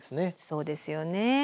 そうですよね。